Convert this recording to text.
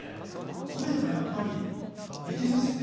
声もやっぱり似てますね。